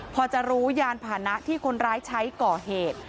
พอจะรู้ยานผ่านะที่คนร้ายใช้ก่อเหตุ